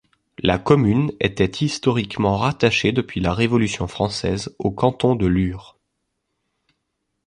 La commune était historiquement rattachée depuis la Révolution française au canton de Lure.